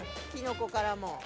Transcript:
きのこからも。